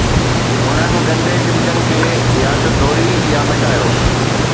انهن گندي چمچن کي يا ته ڌوئي يا مٽايو